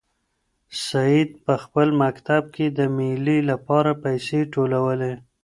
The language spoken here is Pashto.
سعید په خپل مکتب کې د مېلې لپاره پیسې ټولولې.